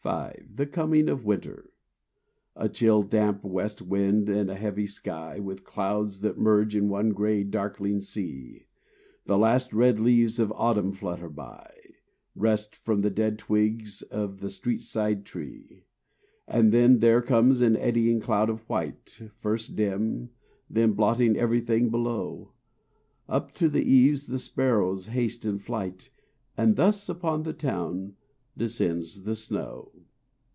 V—The Coming of Winter A chill, damp west wind and a heavy sky, With clouds that merge in one gray, darkling sea, The last red leaves of autumn flutter by, Wrest from the dead twigs of the street side tree; And then there comes an eddying cloud of white, First dim, then blotting everything below; Up to the eaves the sparrows haste in flight— And thus upon the town descends the snow.